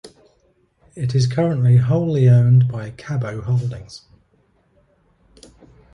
It is currently wholly owned by Kabo Holdings.